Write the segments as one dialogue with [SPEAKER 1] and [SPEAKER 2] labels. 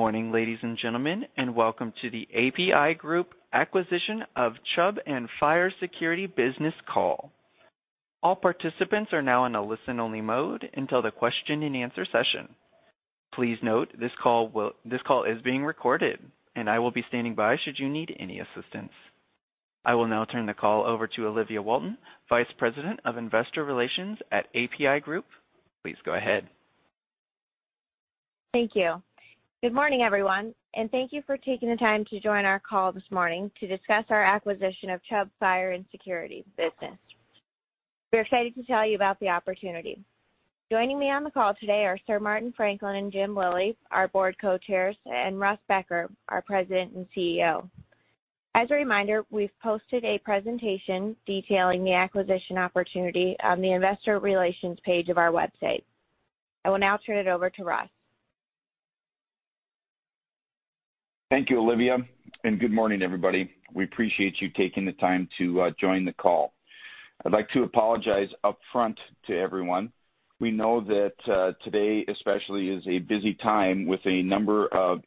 [SPEAKER 1] Good morning, ladies and gentlemen, welcome to the APi Group acquisition of Chubb Fire & Security Business call. All participants are now in a listen-only mode until the question and answer session. Please note this call is being recorded, and I will be standing by should you need any assistance. I will now turn the call over to Olivia Walton, Vice President of Investor Relations at APi Group. Please go ahead.
[SPEAKER 2] Thank you. Good morning, everyone, and thank you for taking the time to join our call this morning to discuss our acquisition of Chubb Fire & Security Business. We are excited to tell you about the opportunity. Joining me on the call today are Sir Martin Franklin and Jim Lillie, our Board Co-Chairs, and Russ Becker, our President and CEO. As a reminder, we've posted a presentation detailing the acquisition opportunity on the investor relations page of our website. I will now turn it over to Russ.
[SPEAKER 3] Thank you, Olivia, and good morning, everybody. We appreciate you taking the time to join the call. I'd like to apologize upfront to everyone. We know that today especially is a busy time with a number of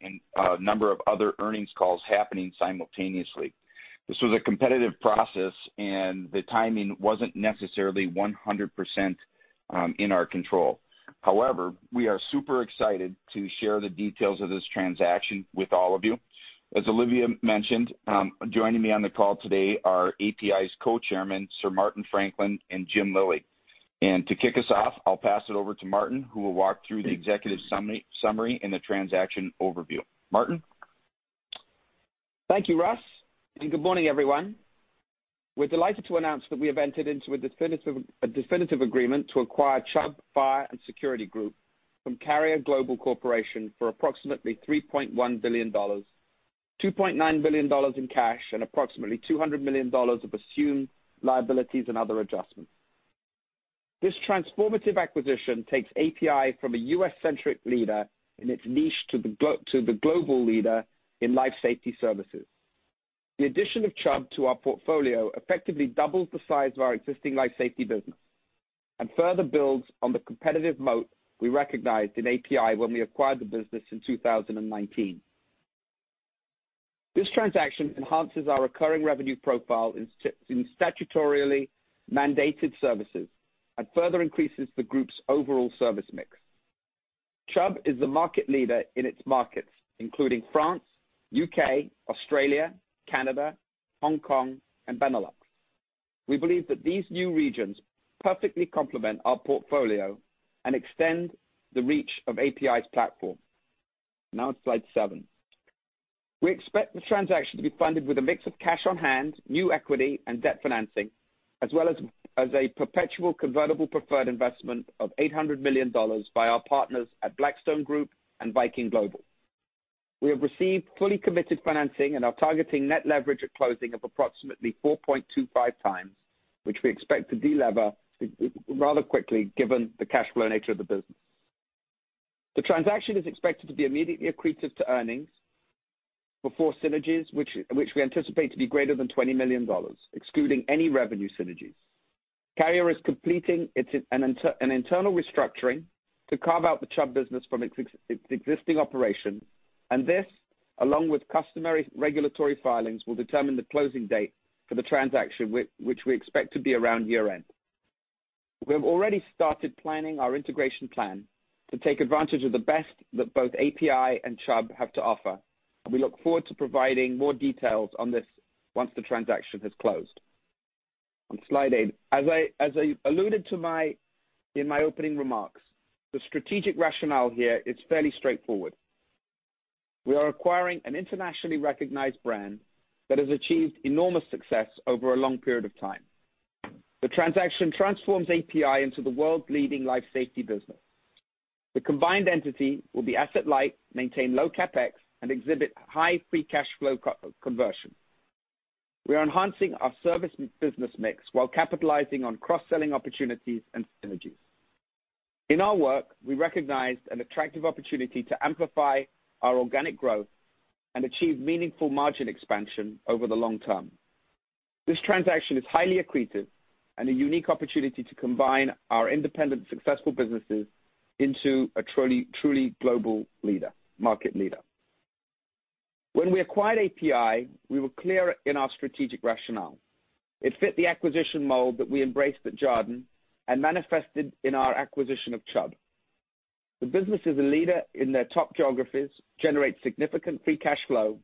[SPEAKER 3] other earnings calls happening simultaneously. This was a competitive process, and the timing wasn't necessarily 100% in our control. However, we are super excited to share the details of this transaction with all of you. As Olivia mentioned, joining me on the call today are APi's Co-Chair, Sir Martin Franklin and Jim Lillie. To kick us off, I'll pass it over to Martin, who will walk through the executive summary and the transaction overview. Martin.
[SPEAKER 4] Thank you, Russ. Good morning, everyone. We're delighted to announce that we have entered into a definitive agreement to acquire Chubb Fire & Security Group from Carrier Global Corporation for approximately $3.1 billion, $2.9 billion in cash and approximately $200 million of assumed liabilities and other adjustments. This transformative acquisition takes APi from a U.S. centric leader in its niche to the global leader in life safety services. The addition of Chubb to our portfolio effectively doubles the size of our existing life safety business and further builds on the competitive moat we recognized in APi when we acquired the business in 2019. This transaction enhances our recurring revenue profile in statutorily mandated services and further increases the group's overall service mix. Chubb is the market leader in its markets, including France, U.K., Australia, Canada, Hong Kong, and Benelux. We believe that these new regions perfectly complement our portfolio and extend the reach of APi's platform. On slide seven. We expect the transaction to be funded with a mix of cash on hand, new equity, and debt financing, as well as a perpetual convertible preferred investment of $800 million by our partners at Blackstone Group and Viking Global. We have received fully committed financing and are targeting net leverage at closing of approximately 4.25 times, which we expect to delever rather quickly given the cash flow nature of the business. The transaction is expected to be immediately accretive to earnings before synergies, which we anticipate to be greater than $20 million, excluding any revenue synergies. Carrier is completing an internal restructuring to carve out the Chubb business from its existing operation, and this, along with customary regulatory filings, will determine the closing date for the transaction, which we expect to be around year-end. We have already started planning our integration plan to take advantage of the best that both APi and Chubb have to offer, and we look forward to providing more details on this once the transaction has closed. On slide eight, as I alluded to in my opening remarks, the strategic rationale here is fairly straightforward. We are acquiring an internationally recognized brand that has achieved enormous success over a long period of time. The transaction transforms APi into the world's leading life safety business. The combined entity will be asset light, maintain low CapEx, and exhibit high free cash flow conversion. We are enhancing our service business mix while capitalizing on cross-selling opportunities and synergies. In our work, we recognized an attractive opportunity to amplify our organic growth and achieve meaningful margin expansion over the long term. This transaction is highly accretive and a unique opportunity to combine our independent successful businesses into a truly global market leader. When we acquired APi, we were clear in our strategic rationale. It fit the acquisition mold that we embraced at Jarden and manifested in our acquisition of Chubb. The business is a leader in their top geographies, generates significant free cash flow,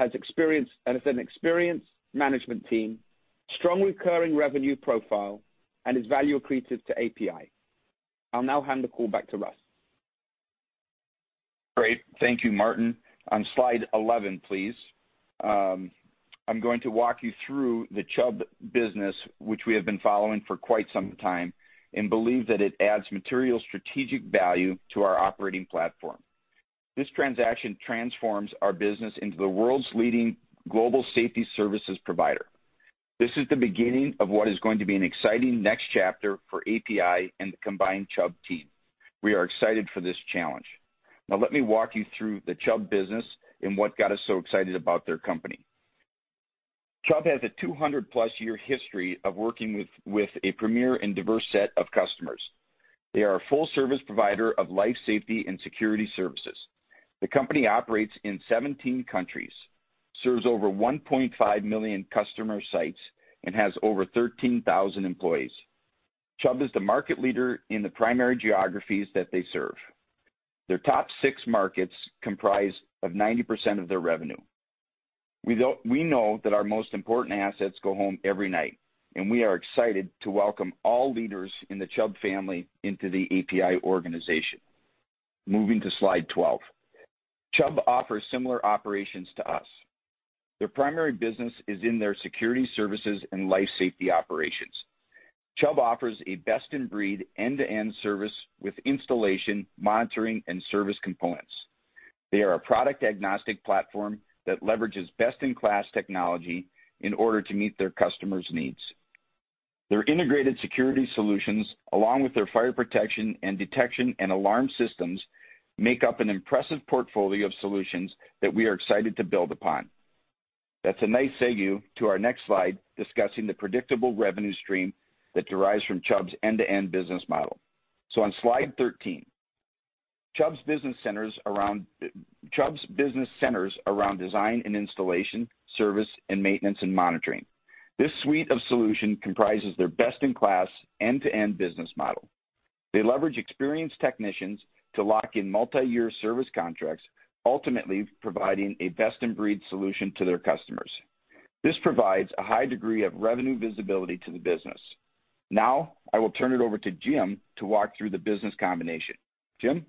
[SPEAKER 4] has an experienced management team, strong recurring revenue profile, and is value accretive to APi. I'll now hand the call back to Russ.
[SPEAKER 3] Great. Thank you, Martin. On slide 11, please. I'm going to walk you through the Chubb business, which we have been following for quite some time and believe that it adds material strategic value to our operating platform. This transaction transforms our business into the world's leading global safety services provider. This is the beginning of what is going to be an exciting next chapter for APi and the combined Chubb team. We are excited for this challenge. Now let me walk you through the Chubb business and what got us so excited about their company. Chubb has a 200-plus year history of working with a premier and diverse set of customers. They are a full service provider of life safety and security services. The company operates in 17 countries, serves over 1.5 million customer sites, and has over 13,000 employees. Chubb is the market leader in the primary geographies that they serve. Their top six markets comprise of 90% of their revenue. We know that our most important assets go home every night, and we are excited to welcome all leaders in the Chubb family into the APi organization. Moving to slide 12. Chubb offers similar operations to us. Their primary business is in their security services and life safety operations. Chubb offers a best-in-breed, end-to-end service with installation, monitoring, and service components. They are a product-agnostic platform that leverages best-in-class technology in order to meet their customers' needs. Their integrated security solutions, along with their fire protection and detection and alarm systems, make up an impressive portfolio of solutions that we are excited to build upon. That's a nice segue to our next slide, discussing the predictable revenue stream that derives from Chubb's end-to-end business model. On slide 13, Chubb's business centers around design and installation, service, and maintenance and monitoring. This suite of solution comprises their best-in-class end-to-end business model. They leverage experienced technicians to lock in multiyear service contracts, ultimately providing a best-in-breed solution to their customers. This provides a high degree of revenue visibility to the business. I will turn it over to Jim to walk through the business combination. Jim?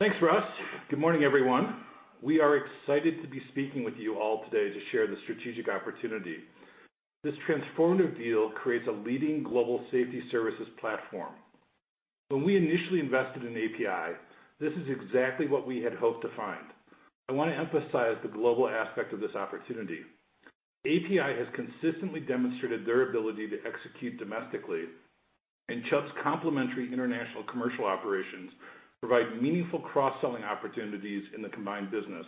[SPEAKER 5] Thanks, Russ. Good morning, everyone. We are excited to be speaking with you all today to share the strategic opportunity. This transformative deal creates a leading global safety services platform. When we initially invested in APi, this is exactly what we had hoped to find. I want to emphasize the global aspect of this opportunity. APi has consistently demonstrated their ability to execute domestically, and Chubb's complementary international commercial operations provide meaningful cross-selling opportunities in the combined business.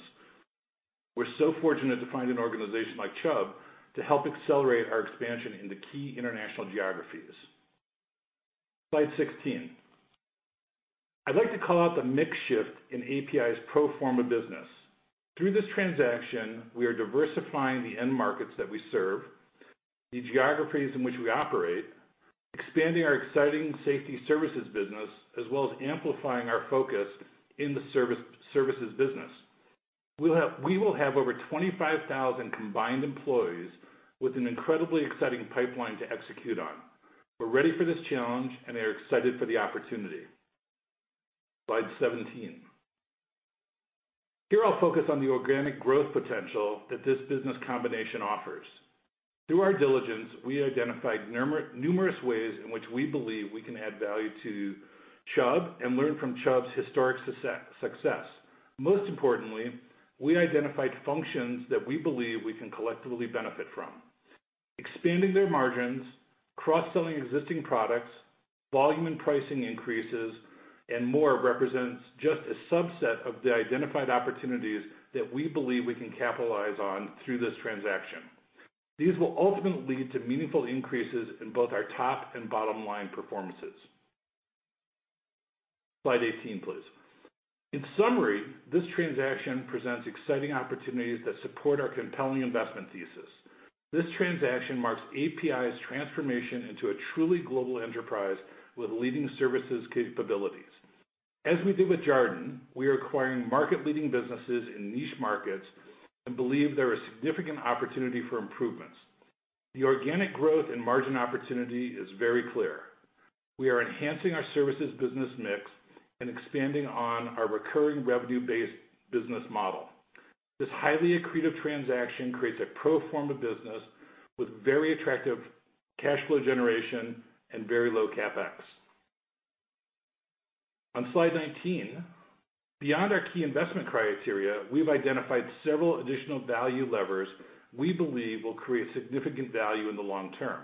[SPEAKER 5] We're so fortunate to find an organization like Chubb to help accelerate our expansion in the key international geographies. Slide 16. I'd like to call out the mix shift in APi's pro forma business. Through this transaction, we are diversifying the end markets that we serve, the geographies in which we operate, expanding our exciting safety services business, as well as amplifying our focus in the services business. We will have over 25,000 combined employees with an incredibly exciting pipeline to execute on. We're ready for this challenge and are excited for the opportunity. Slide 17. Here, I'll focus on the organic growth potential that this business combination offers. Through our diligence, we identified numerous ways in which we believe we can add value to Chubb and learn from Chubb's historic success. Most importantly, we identified functions that we believe we can collectively benefit from. Expanding their margins, cross-selling existing products, volume and pricing increases, and more represents just a subset of the identified opportunities that we believe we can capitalize on through this transaction. These will ultimately lead to meaningful increases in both our top and bottom line performances. Slide 18, please. In summary, this transaction presents exciting opportunities that support our compelling investment thesis. This transaction marks APi's transformation into a truly global enterprise with leading services capabilities. As we do with Jarden, we are acquiring market leading businesses in niche markets and believe there is significant opportunity for improvements. The organic growth and margin opportunity is very clear. We are enhancing our services business mix and expanding on our recurring revenue-based business model. This highly accretive transaction creates a pro forma business with very attractive cash flow generation and very low CapEx. On slide 19, beyond our key investment criteria, we've identified several additional value levers we believe will create significant value in the long term.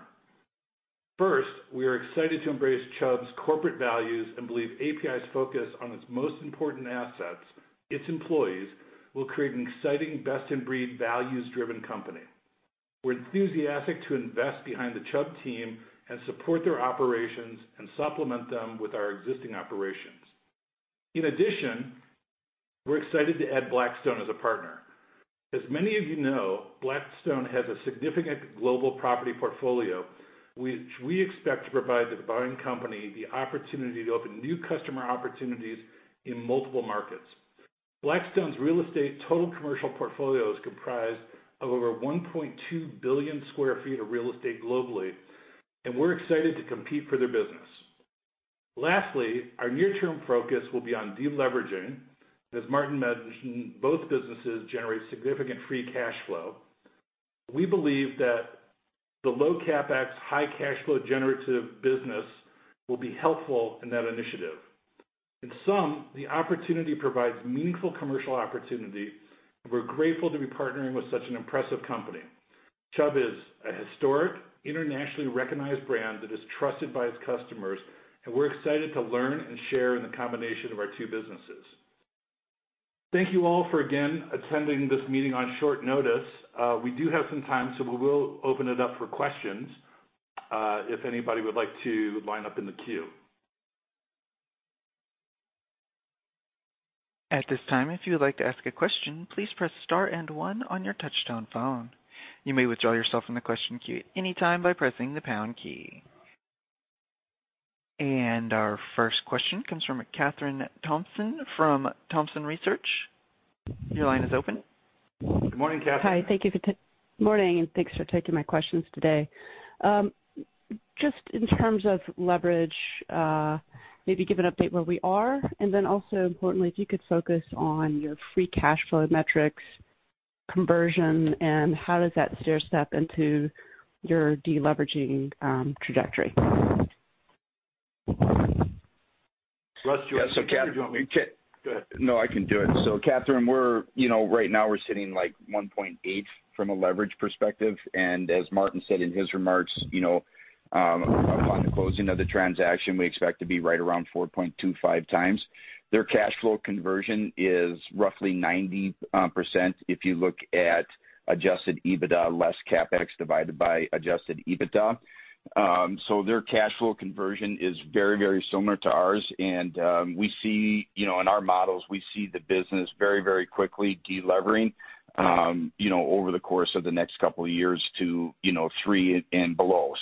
[SPEAKER 5] First, we are excited to embrace Chubb's corporate values and believe APi's focus on its most important assets, its employees, will create an exciting, best-in-breed, values-driven company. We're enthusiastic to invest behind the Chubb team and support their operations and supplement them with our existing operations. In addition, we're excited to add Blackstone as a partner. As many of you know, Blackstone has a significant global property portfolio, which we expect to provide the buying company the opportunity to open new customer opportunities in multiple markets. Blackstone's real estate total commercial portfolio is comprised of over 1.2 billion sq ft of real estate globally, and we're excited to compete for their business. Lastly, our near term focus will be on deleveraging, as Martin mentioned, both businesses generate significant free cash flow. We believe that the low CapEx, high cash flow generative business will be helpful in that initiative. In sum, the opportunity provides meaningful commercial opportunity, and we're grateful to be partnering with such an impressive company. Chubb is a historic, internationally recognized brand that is trusted by its customers, and we're excited to learn and share in the combination of our two businesses. Thank you all for, again, attending this meeting on short notice. We do have some time, so we will open it up for questions, if anybody would like to line up in the queue.
[SPEAKER 1] Our first question comes from Kathryn Thompson from Thompson Research. Your line is open.
[SPEAKER 5] Good morning, Kathryn.
[SPEAKER 6] Hi. Morning, thanks for taking my questions today. Just in terms of leverage, maybe give an update where we are, and then also importantly, if you could focus on your free cash flow metrics conversion and how does that stair-step into your de-leveraging trajectory?
[SPEAKER 5] Russ, do you want me or do you want me?
[SPEAKER 3] Yeah, Kathryn.
[SPEAKER 5] Go ahead.
[SPEAKER 3] No, I can do it. Kathryn, right now we're sitting like 1.8 from a leverage perspective, and as Martin said in his remarks, upon the closing of the transaction, we expect to be right around 4.25 times. Their cash flow conversion is roughly 90% if you look at adjusted EBITDA less CapEx divided by adjusted EBITDA. Their cash flow conversion is very similar to ours. In our models, we see the business very quickly de-levering over the course of the next couple of years to three and below.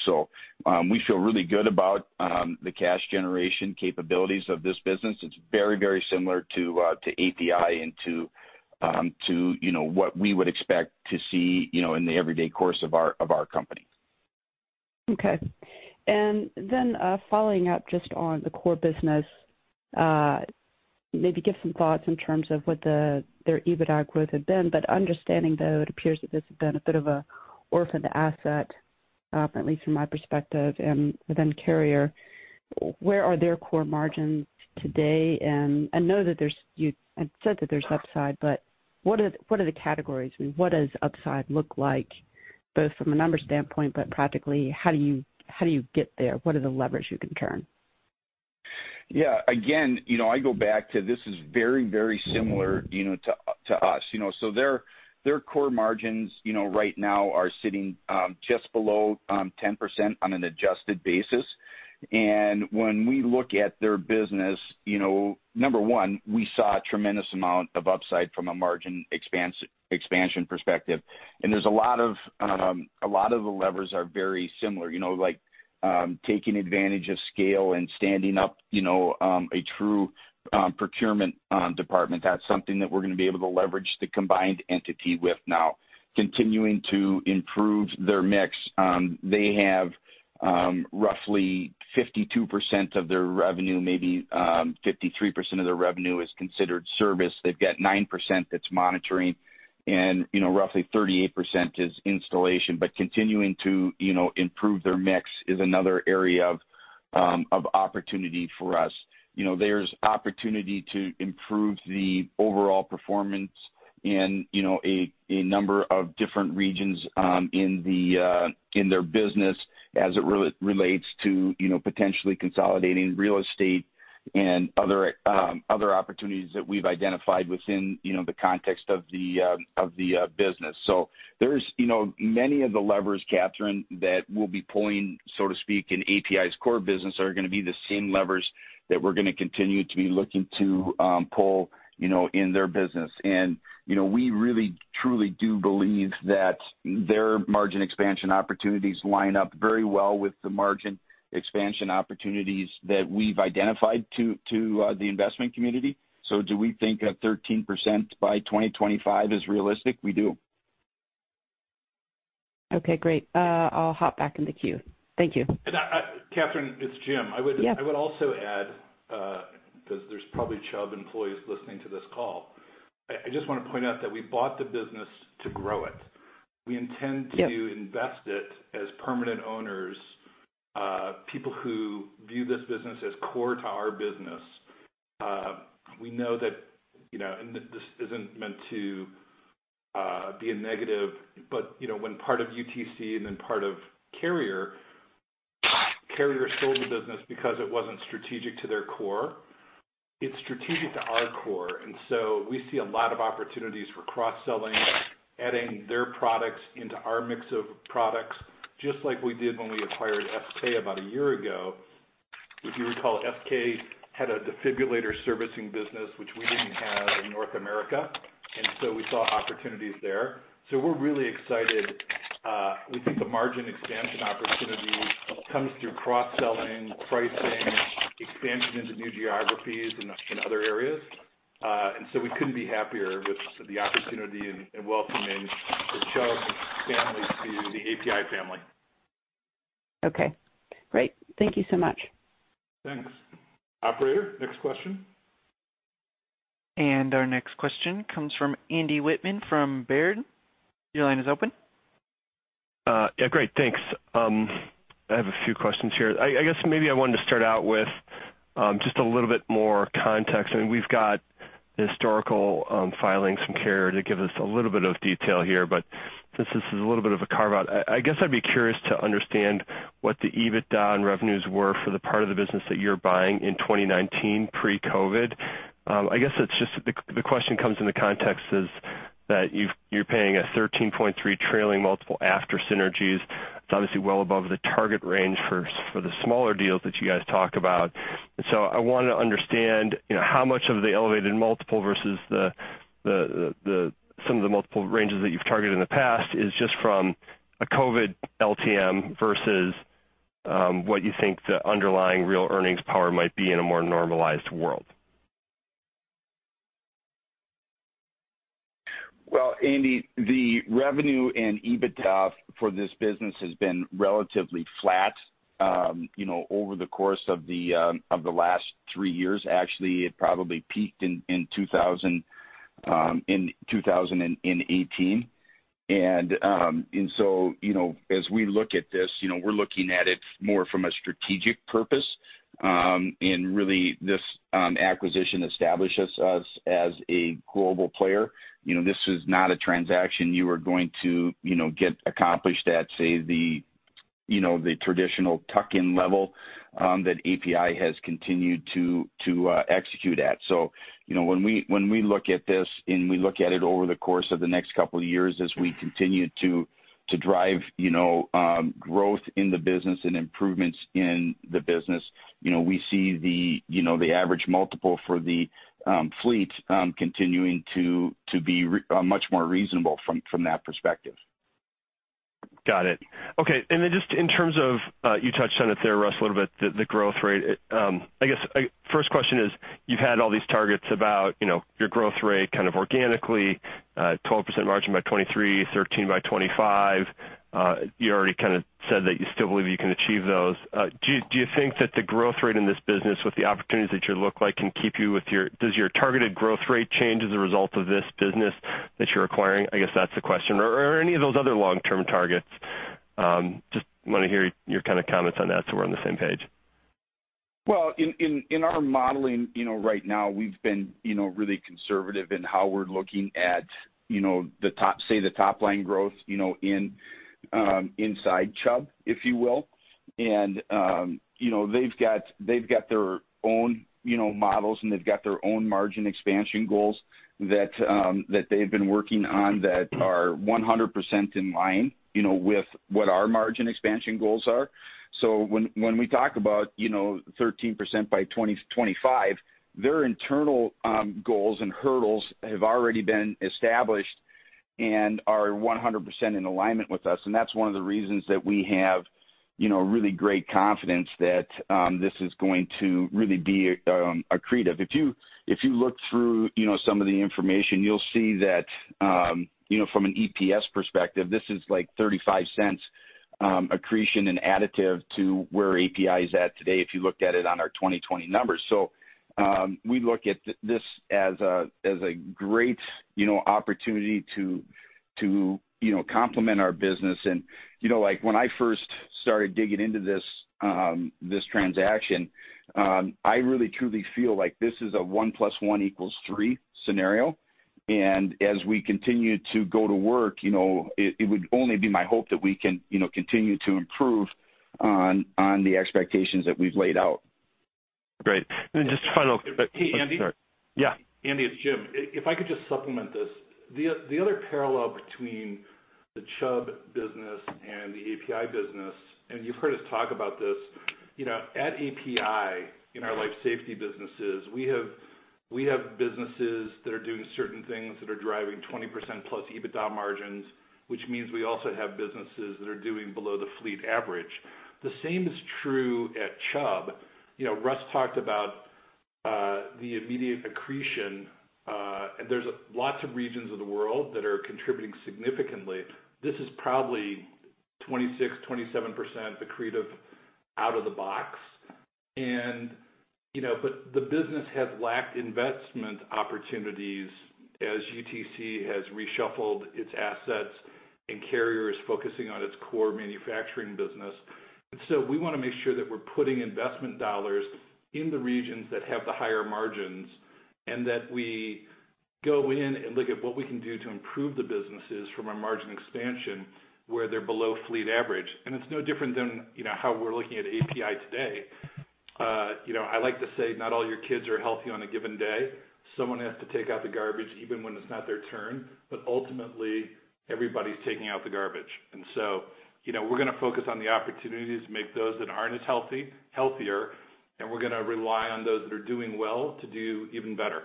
[SPEAKER 3] We feel really good about the cash generation capabilities of this business. It's very similar to APi and to what we would expect to see in the everyday course of our company.
[SPEAKER 6] Okay. Following up just on the core business, maybe give some thoughts in terms of what their EBITDA growth had been. Understanding, though, it appears that this has been a bit of an orphan asset, at least from my perspective, and within Carrier. Where are their core margins today? I know that you had said that there's upside, but what are the categories? What does upside look like, both from a numbers standpoint, but practically, how do you get there? What are the levers you can turn?
[SPEAKER 3] Again, I go back to this is very similar to us. Their core margins right now are sitting just below 10% on an adjusted basis. When we look at their business, number one, we saw a tremendous amount of upside from a margin expansion perspective. A lot of the levers are very similar, like taking advantage of scale and standing up a true procurement department. That's something that we're going to be able to leverage the combined entity with now. Continuing to improve their mix. They have roughly 52% of their revenue, maybe 53% of their revenue is considered service. They've got 9% that's monitoring and roughly 38% is installation. Continuing to improve their mix is another area of opportunity for us. There's opportunity to improve the overall performance in a number of different regions in their business as it relates to potentially consolidating real estate and other opportunities that we've identified within the context of the business. There's many of the levers, Kathryn, that we'll be pulling, so to speak, in APi's core business are going to be the same levers that we're going to continue to be looking to pull in their business. We really truly do believe that their margin expansion opportunities line up very well with the margin expansion opportunities that we've identified to the investment community. Do we think a 13% by 2025 is realistic? We do.
[SPEAKER 6] Okay, great. I'll hop back in the queue. Thank you.
[SPEAKER 5] Kathryn, it's Jim.
[SPEAKER 6] Yeah.
[SPEAKER 5] I would also add, because there's probably Chubb employees listening to this call, I just want to point out that we bought the business to grow it.
[SPEAKER 6] Yeah.
[SPEAKER 5] Invest it as permanent owners, people who view this business as core to our business. We know that this isn't meant to be a negative, but when part of UTC and then part of Carrier sold the business because it wasn't strategic to their core. It's strategic to our core, we see a lot of opportunities for cross-selling, adding their products into our mix of products, just like we did when we acquired SK about a year ago. If you recall, SK had a defibrillator servicing business, which we didn't have in North America, we saw opportunities there. We're really excited. We think the margin expansion opportunity comes through cross-selling, pricing, expansion into new geographies and other areas. We couldn't be happier with the opportunity and welcoming the Chubb family to the APi family.
[SPEAKER 6] Okay, great. Thank you so much.
[SPEAKER 5] Thanks. Operator, next question.
[SPEAKER 1] Our next question comes from Andy Wittmann from Baird. Your line is open.
[SPEAKER 7] Yeah, great. Thanks. I have a few questions here. I guess maybe I wanted to start out with just a little bit more context. I mean, we've got historical filings from Carrier to give us a little bit of detail here, but since this is a little bit of a carve-out, I guess I'd be curious to understand what the EBITDA and revenues were for the part of the business that you're buying in 2019 pre-COVID. I guess the question comes in the context is that you're paying a 13.3x trailing multiple after synergies. It's obviously well above the target range for the smaller deals that you guys talk about. I want to understand, how much of the elevated multiple versus some of the multiple ranges that you've targeted in the past is just from a COVID LTM versus what you think the underlying real earnings power might be in a more normalized world.
[SPEAKER 3] Andy Wittmann, the revenue and EBITDA for this business has been relatively flat over the course of the last three years. Actually, it probably peaked in 2018. As we look at this, we're looking at it more from a strategic purpose. This acquisition establishes us as a global player. This is not a transaction you are going to get accomplished at, say, the traditional tuck-in level that APi has continued to execute at. When we look at this and we look at it over the course of the next couple of years as we continue to drive growth in the business and improvements in the business, we see the average multiple for the fleet continuing to be much more reasonable from that perspective.
[SPEAKER 7] Got it. Okay. Just in terms of, you touched on it there, Russ, a little bit, the growth rate. I guess, first question is, you've had all these targets about your growth rate kind of organically, 12% margin by 2023, 13% by 2025. You already kind of said that you still believe you can achieve those. Does your targeted growth rate change as a result of this business that you're acquiring, or any of those other long-term targets? I guess that's the question. Just want to hear your comments on that so we're on the same page.
[SPEAKER 3] In our modeling right now, we've been really conservative in how we're looking at the top line growth inside Chubb, if you will. They've got their own models, and they've got their own margin expansion goals that they've been working on that are 100% in line with what our margin expansion goals are. When we talk about 13% by 2025, their internal goals and hurdles have already been established and are 100% in alignment with us. That's one of the reasons that we have really great confidence that this is going to really be accretive. If you look through some of the information, you'll see that from an EPS perspective, this is like $0.35 accretion and additive to where APi is at today if you looked at it on our 2020 numbers. We look at this as a great opportunity to complement our business. When I first started digging into this transaction, I really truly feel like this is a 1+1=3 scenario. As we continue to go to work, it would only be my hope that we can continue to improve on the expectations that we've laid out.
[SPEAKER 7] Great.
[SPEAKER 5] Hey, Andy?
[SPEAKER 7] I'm sorry. Yeah.
[SPEAKER 5] Andy, it's Jim. If I could just supplement this. The other parallel between the Chubb business and the APi business, you've heard us talk about this, at APi, in our life safety businesses, we have businesses that are doing certain things that are driving 20%+ EBITDA margins, which means we also have businesses that are doing below the fleet average. The same is true at Chubb. Russ talked about the immediate accretion. There's lots of regions of the world that are contributing significantly. This is probably 26%-27% accretive out of the box. The business has lacked investment opportunities as UTC has reshuffled its assets and Carrier is focusing on its core manufacturing business. We want to make sure that we're putting investment dollars in the regions that have the higher margins, and that we go in and look at what we can do to improve the businesses from a margin expansion where they're below fleet average. It's no different than how we're looking at APi today. I like to say not all your kids are healthy on a given day. Someone has to take out the garbage even when it's not their turn. Ultimately, everybody's taking out the garbage. We're going to focus on the opportunities to make those that aren't as healthy, healthier, and we're going to rely on those that are doing well to do even better.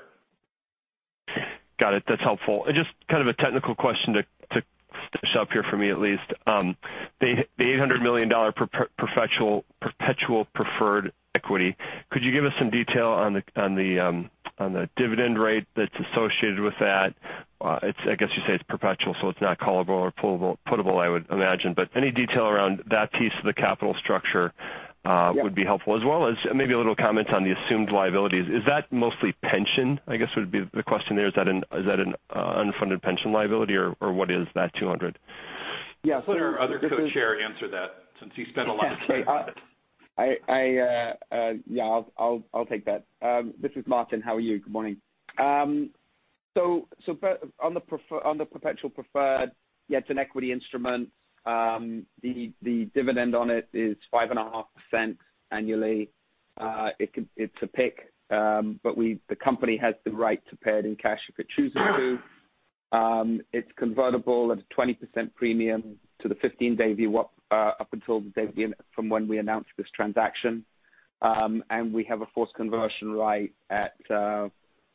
[SPEAKER 7] Got it. That's helpful. Just kind of a technical question to finish up here for me at least. The $800 million perpetual preferred equity. Could you give us some detail on the dividend rate that's associated with that? I guess you say it's perpetual, so it's not callable or puttable, I would imagine. Any detail around that piece of the capital structure would be helpful as well as maybe a little comment on the assumed liabilities. Is that mostly pension, I guess would be the question there. Is that an unfunded pension liability or what is that $200?
[SPEAKER 5] Yeah.
[SPEAKER 3] I'll let our other co-chair answer that since he spent a lot of time on it.
[SPEAKER 4] I'll take that. This is Martin. How are you? Good morning. On the perpetual preferred, yeah, it's an equity instrument. The dividend on it is 5.5% annually. It's a PIK, the company has the right to pay it in cash if it chooses to. It's convertible at a 20% premium to the 15 day VWAP up until the day from when we announced this transaction. We have a forced conversion right at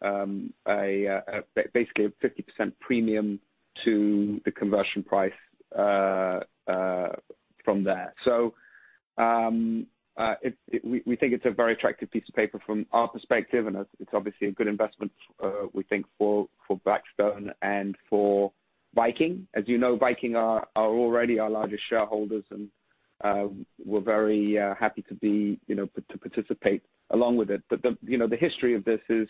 [SPEAKER 4] basically a 50% premium to the conversion price from there. We think it's a very attractive piece of paper from our perspective, and it's obviously a good investment, we think, for Blackstone and for Viking. As you know, Viking are already our largest shareholders, and we're very happy to participate along with it. The history of this is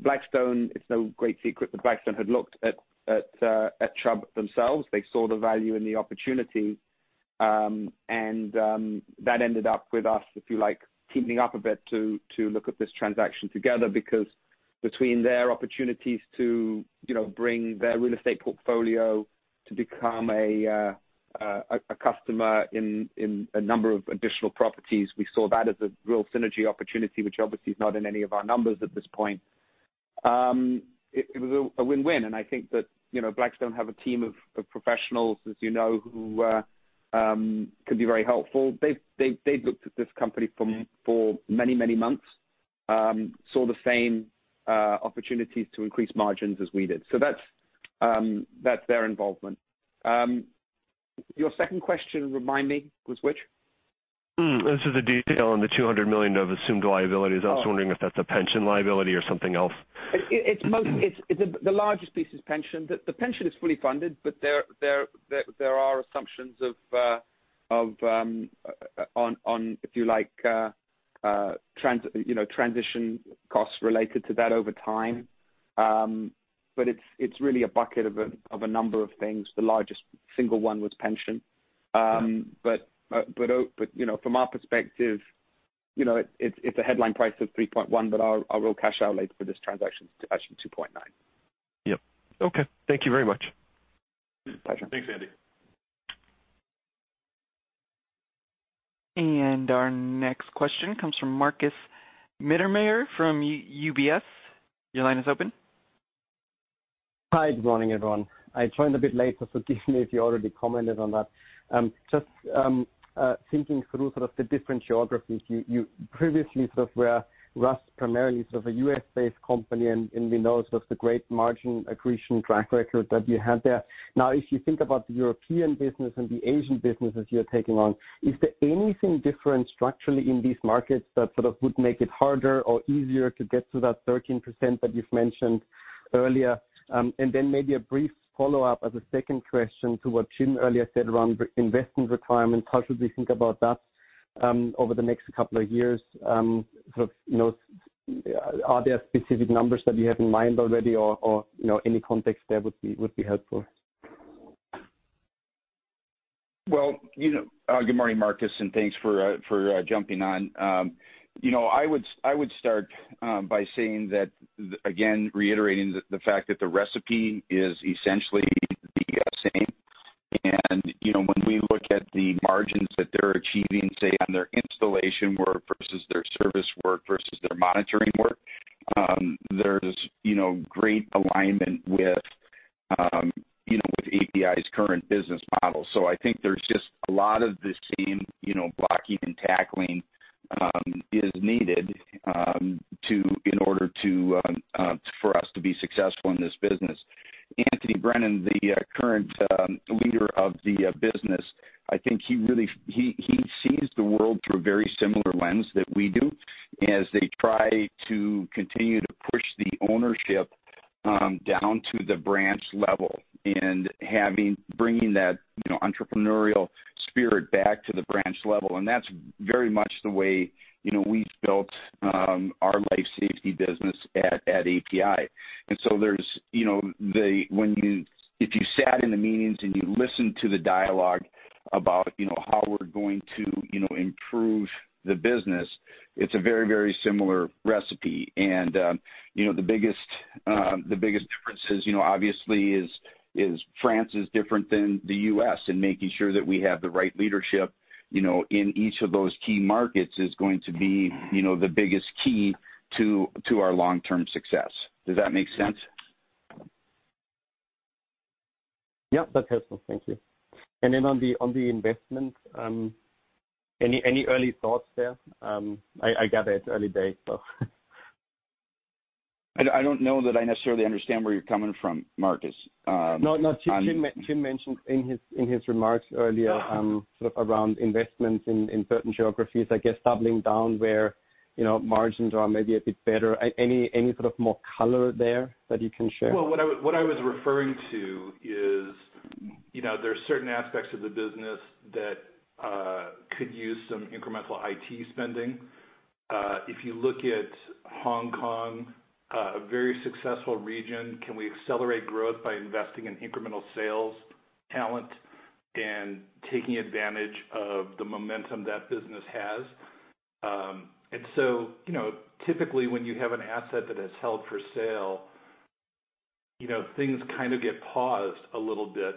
[SPEAKER 4] Blackstone, it's no great secret that Blackstone had looked at Chubb themselves. They saw the value in the opportunity, that ended up with us, if you like, teaming up a bit to look at this transaction together, because between their opportunities to bring their real estate portfolio to become a customer in a number of additional properties, we saw that as a real synergy opportunity, which obviously is not in any of our numbers at this point. It was a win-win, I think that Blackstone have a team of professionals, as you know, who could be very helpful. They've looked at this company for many, many months, saw the same opportunities to increase margins as we did. That's their involvement. Your second question, remind me, was which?
[SPEAKER 7] This is the detail on the $200 million of assumed liabilities. I was wondering if that's a pension liability or something else.
[SPEAKER 4] The largest piece is pension. The pension is fully funded, but there are assumptions on, if you like, transition costs related to that over time. It's really a bucket of a number of things. The largest single one was pension. From our perspective, it's a headline price of $3.1, but our real cash outlays for this transaction is actually $2.9.
[SPEAKER 7] Yep. Okay. Thank you very much.
[SPEAKER 4] Pleasure.
[SPEAKER 5] Thanks, Andy.
[SPEAKER 1] Our next question comes from Markus Mittermaier from UBS. Your line is open.
[SPEAKER 8] Hi, good morning, everyone. I joined a bit late, so forgive me if you already commented on that. Just thinking through sort of the different geographies. You previously were primarily sort of a U.S.-based company, and we know sort of the great margin accretion track record that you had there. Now, if you think about the European business and the Asian businesses you're taking on, is there anything different structurally in these markets that sort of would make it harder or easier to get to that 13% that you've mentioned earlier? Maybe a brief follow-up as a second question to what Jim earlier said around investing requirements. How should we think about that over the next couple of years? Are there specific numbers that you have in mind already, or any context there would be helpful.
[SPEAKER 3] Well, good morning, Markus, and thanks for jumping on. I would start by saying that, again, reiterating the fact that the recipe is essentially the same. When we look at the margins that they're achieving, say, on their installation work versus their service work versus their monitoring work there's great alignment with APi's current business model. I think there's just a lot of the same blocking and tackling is needed in order for us to be successful in this business. Anthony Brennan, the current leader of the business, I think he sees the world through a very similar lens that we do as they try to continue to push the ownership down to the branch level and bringing that entrepreneurial spirit back to the branch level. That's very much the way we've built our life safety business at APi. If you sat in the meetings and you listen to the dialogue about how we're going to improve the business, it's a very similar recipe. The biggest difference is obviously is France is different than the U.S., and making sure that we have the right leadership in each of those key markets is going to be the biggest key to our long-term success. Does that make sense?
[SPEAKER 8] Yeah, that's helpful. Thank you. On the investment any early thoughts there? I gather it's early days.
[SPEAKER 3] I don't know that I necessarily understand where you're coming from, Markus.
[SPEAKER 8] Jim mentioned in his remarks earlier sort of around investments in certain geographies, I guess doubling down where margins are maybe a bit better. Any sort of more color there that you can share?
[SPEAKER 5] Well, what I was referring to is there are certain aspects of the business that could use some incremental IT spending. If you look at Hong Kong, a very successful region, can we accelerate growth by investing in incremental sales talent and taking advantage of the momentum that business has? Typically, when you have an asset that is held for sale, things kind of get paused a little bit.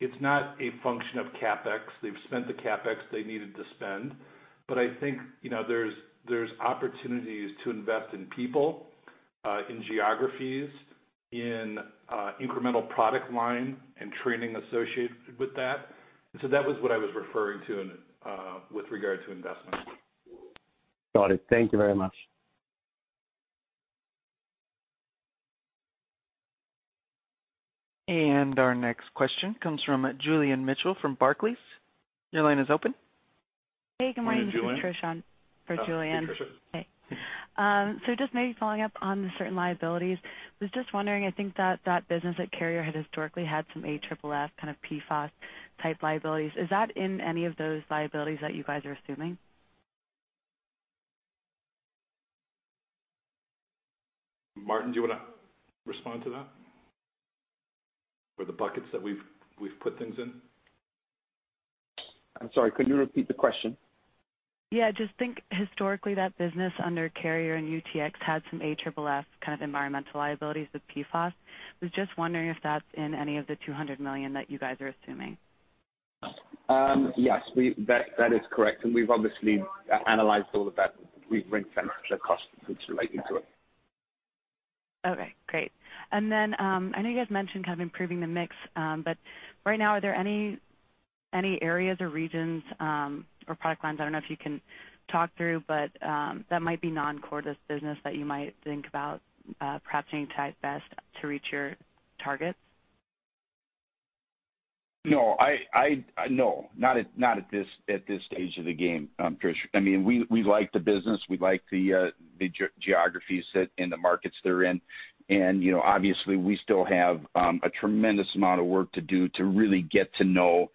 [SPEAKER 5] It's not a function of CapEx. They've spent the CapEx they needed to spend. I think there's opportunities to invest in people, in geographies, in incremental product line, and training associated with that. That was what I was referring to with regard to investment.
[SPEAKER 8] Got it. Thank you very much.
[SPEAKER 1] Our next question comes from Julian Mitchell from Barclays. Your line is open.
[SPEAKER 9] Hey, good morning.
[SPEAKER 3] Morning, Julian.
[SPEAKER 9] This is Trish on for Julian.
[SPEAKER 3] Hi, Patricia.
[SPEAKER 9] Hey. Just maybe following up on the certain liabilities, was just wondering, I think that that business at Carrier had historically had some AFFF kind of PFAS-type liabilities. Is that in any of those liabilities that you guys are assuming?
[SPEAKER 3] Martin, do you want to respond to that? For the buckets that we've put things in.
[SPEAKER 4] I'm sorry, could you repeat the question?
[SPEAKER 9] Yeah, just think historically that business under Carrier and UTX had some AFFF kind of environmental liabilities with PFAS. I was just wondering if that's in any of the $200 million that you guys are assuming?
[SPEAKER 4] Yes, that is correct. We've obviously analyzed all of that. We've ring-fenced the costs relating to it.
[SPEAKER 9] Okay, great. I know you guys mentioned kind of improving the mix, but right now, are there any areas or regions or product lines, I don't know if you can talk through, but that might be non-core to this business that you might think about perhaps any type best to reach your targets?
[SPEAKER 3] No. Not at this stage of the game, Trish. We like the business. We like the geographies and the markets they're in. Obviously, we still have a tremendous amount of work to do to really get to know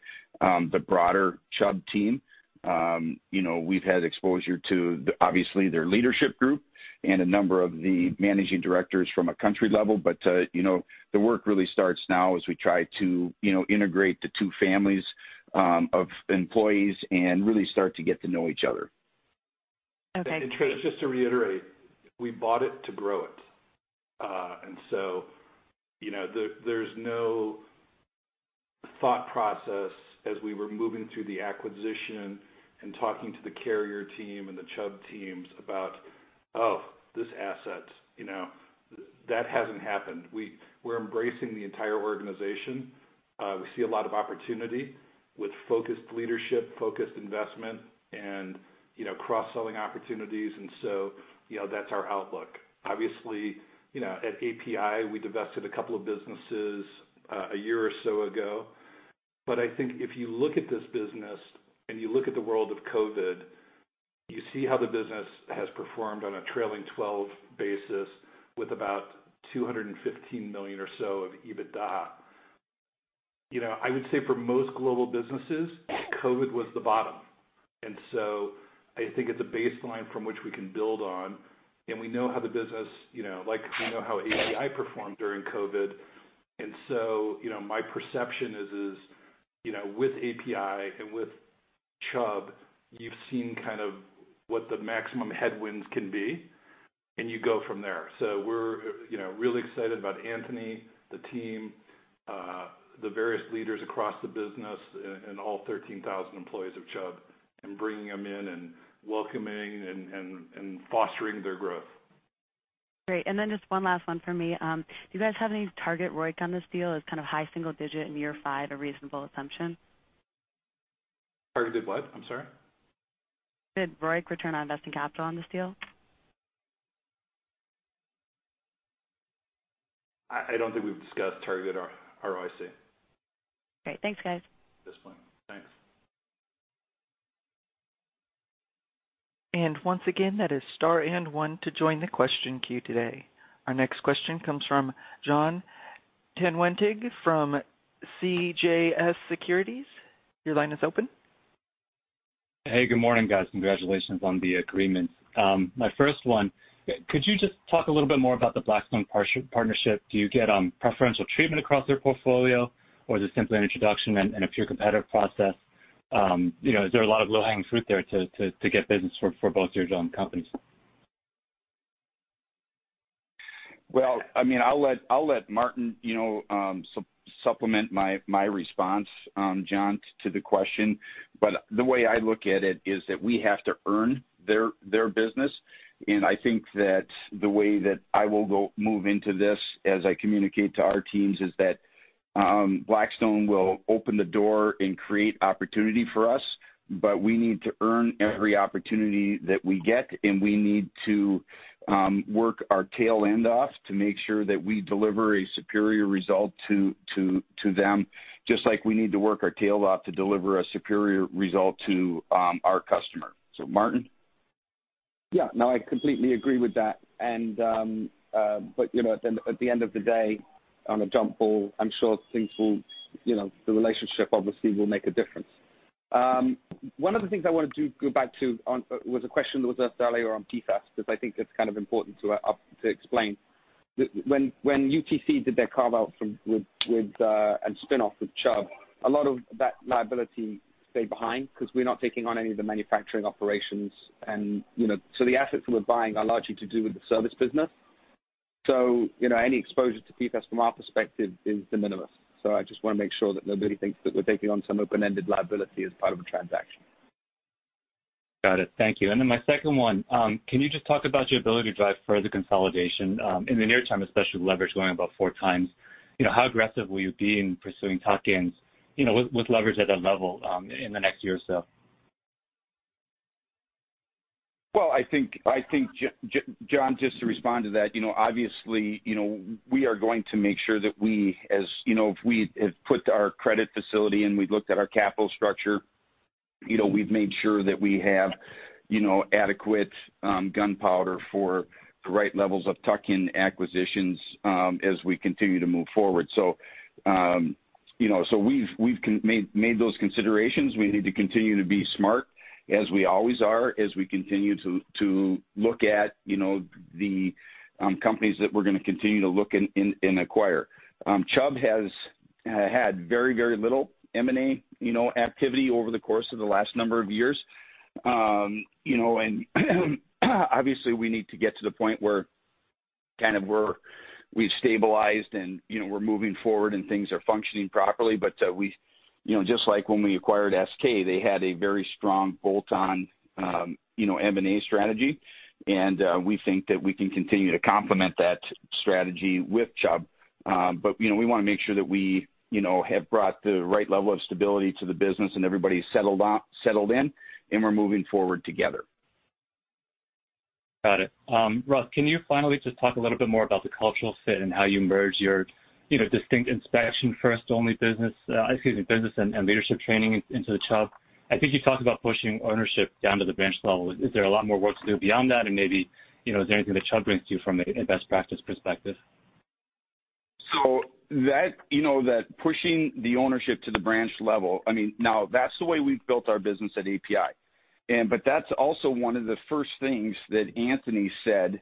[SPEAKER 3] the broader Chubb team. We've had exposure to, obviously, their leadership group and a number of the managing directors from a country level. The work really starts now as we try to integrate the two families of employees and really start to get to know each other.
[SPEAKER 9] Okay.
[SPEAKER 5] Trish, just to reiterate, we bought it to grow it. So, there's no thought process as we were moving through the acquisition and talking to the Carrier team and the Chubb teams about, oh, this asset. That hasn't happened. We're embracing the entire organization. We see a lot of opportunity with focused leadership, focused investment, and cross-selling opportunities. So that's our outlook. Obviously, at APi, we divested a couple of businesses a year or so ago. I think if you look at this business and you look at the world of COVID, you see how the business has performed on a trailing 12 basis with about $215 million or so of EBITDA. I would say for most global businesses, COVID was the bottom. I think it's a baseline from which we can build on. We know how the business, like we know how APi performed during COVID. My perception is with APi and with Chubb, you've seen kind of what the maximum headwinds can be, and you go from there. We're really excited about Anthony, the team, the various leaders across the business, and all 13,000 employees of Chubb, and bringing them in and welcoming and fostering their growth.
[SPEAKER 9] Great. Just one last one for me. Do you guys have any target ROIC on this deal? Is kind of high single digit in year five a reasonable assumption?
[SPEAKER 3] Targeted what? I'm sorry.
[SPEAKER 9] Mid ROIC, return on invested capital, on this deal.
[SPEAKER 3] I don't think we've discussed targeted ROIC.
[SPEAKER 9] Great. Thanks, guys.
[SPEAKER 3] At this point. Thanks.
[SPEAKER 1] Once again, that is star and one to join the question queue today. Our next question comes from Jon Tanwanteng from CJS Securities. Your line is open.
[SPEAKER 10] Hey, good morning, guys. Congratulations on the agreement. My first one, could you just talk a little bit more about the Blackstone partnership? Do you get preferential treatment across their portfolio, or is it simply an introduction and a pure competitive process? Is there a lot of low-hanging fruit there to get business for both your joint companies?
[SPEAKER 3] I'll let Martin supplement my response, Jon, to the question. The way I look at it is that we have to earn their business. I think that the way that I will go move into this, as I communicate to our teams, is that Blackstone will open the door and create opportunity for us, but we need to earn every opportunity that we get, and we need to work our tail end off to make sure that we deliver a superior result to them, just like we need to work our tail off to deliver a superior result to our customer. Martin?
[SPEAKER 4] Yeah, no, I completely agree with that. At the end of the day, on a jump ball, I'm sure things will. The relationship obviously will make a difference. One of the things I wanted to go back to was a question that was asked earlier on PFAS, because I think it's kind of important to explain. When UTC did their carve out and spin off with Chubb, a lot of that liability stayed behind because we're not taking on any of the manufacturing operations. The assets we're buying are largely to do with the service business. Any exposure to PFAS from our perspective is de minimis. I just want to make sure that nobody thinks that we're taking on some open-ended liability as part of a transaction.
[SPEAKER 10] Got it. Thank you. My second one, can you just talk about your ability to drive further consolidation, in the near term, especially with leverage going above 4 times? How aggressive will you be in pursuing tuck-ins with leverage at that level in the next year or so?
[SPEAKER 3] I think, Jon, just to respond to that, obviously, we are going to make sure that if we have put our credit facility and we've looked at our capital structure, we've made sure that we have adequate gunpowder for the right levels of tuck-in acquisitions as we continue to move forward. We've made those considerations. We need to continue to be smart, as we always are, as we continue to look at the companies that we're going to continue to look and acquire. Chubb has had very little M&A activity over the course of the last number of years. Obviously, we need to get to the point where we've stabilized and we're moving forward and things are functioning properly. Just like when we acquired SK, they had a very strong bolt-on M&A strategy. We think that we can continue to complement that strategy with Chubb. We want to make sure that we have brought the right level of stability to the business and everybody's settled in and we're moving forward together.
[SPEAKER 10] Got it. Russ, can you finally just talk a little bit more about the cultural fit and how you merge your distinct inspection-first only business and leadership training into Chubb? I think you talked about pushing ownership down to the branch level. Is there a lot more work to do beyond that? Maybe, is there anything that Chubb brings to you from a best practice perspective?
[SPEAKER 3] That pushing the ownership to the branch level, now that's the way we've built our business at APi. That's also one of the first things that Anthony said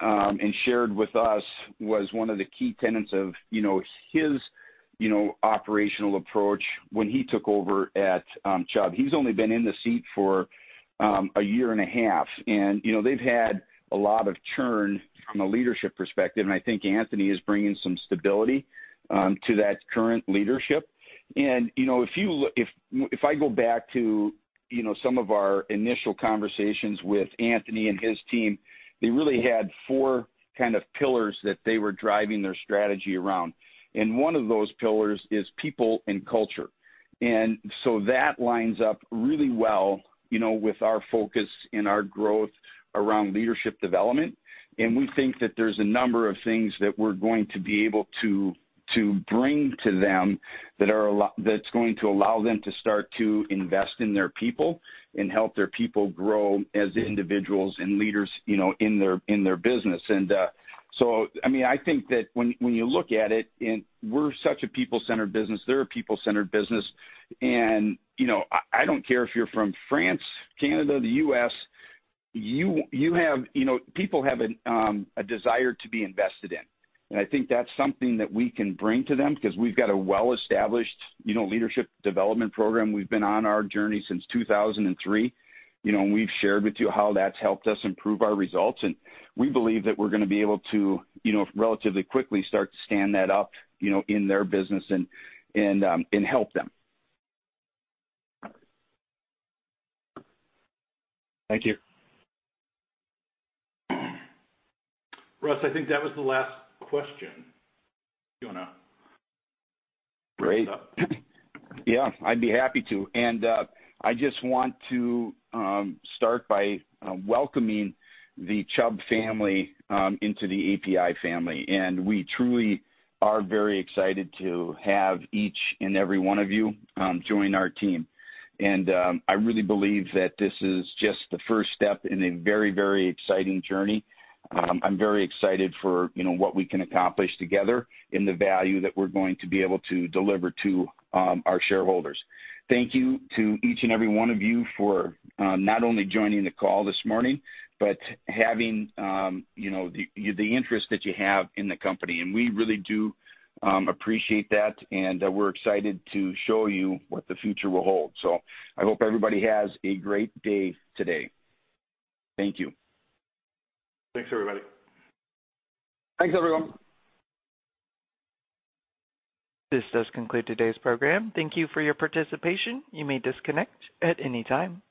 [SPEAKER 3] and shared with us was one of the key tenets of his operational approach when he took over at Chubb. He's only been in the seat for a year and a half, and they've had a lot of churn from a leadership perspective, and I think Anthony is bringing some stability to that current leadership. If I go back to some of our initial conversations with Anthony and his team, they really had 4 pillars that they were driving their strategy around. One of those pillars is people and culture. That lines up really well with our focus and our growth around leadership development. We think that there's a number of things that we're going to be able to bring to them that's going to allow them to start to invest in their people and help their people grow as individuals and leaders in their business. I think that when you look at it, we're such a people-centered business. They're a people-centered business. I don't care if you're from France, Canada, the U.S., people have a desire to be invested in. I think that's something that we can bring to them because we've got a well-established leadership development program. We've been on our journey since 2003, and we've shared with you how that's helped us improve our results, and we believe that we're going to be able to relatively quickly start to stand that up in their business and help them.
[SPEAKER 10] Thank you.
[SPEAKER 4] Russ, I think that was the last question. Do you want to wrap up?
[SPEAKER 3] Yeah, I'd be happy to. I just want to start by welcoming the Chubb family into the APi family. We truly are very excited to have each and every one of you join our team. I really believe that this is just the first step in a very exciting journey. I'm very excited for what we can accomplish together and the value that we're going to be able to deliver to our shareholders. Thank you to each and every one of you for not only joining the call this morning, but the interest that you have in the company, and we really do appreciate that, and we're excited to show you what the future will hold. I hope everybody has a great day today. Thank you.
[SPEAKER 4] Thanks, everybody.
[SPEAKER 5] Thanks, everyone.
[SPEAKER 1] This does conclude today's program. Thank you for your participation. You may disconnect at any time.